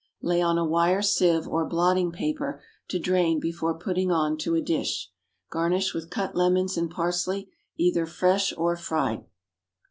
Lay on a wire sieve or blotting paper to drain before putting on to a dish. Garnish with cut lemons and parsley, either fresh or fried.